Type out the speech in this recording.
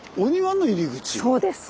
そうです。